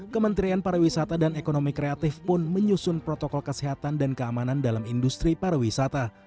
kementerian pariwisata dan ekonomi kreatif pun menyusun protokol kesehatan dan keamanan dalam industri pariwisata